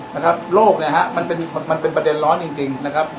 นะครับโลกเนี่ยฮะมันเป็นมันเป็นประเด็นร้อนจริงจริงนะครับ